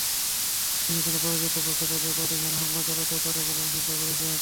নির্বাচনে পরাজিত পক্ষ তাঁদের বাড়িঘরে হামলা চালাতে পারে বলে আশঙ্কা করছেন।